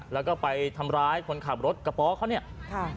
แล้วก็ไปทำร้ายคนขับรถกระป๋อเขาเนี่ยค่ะ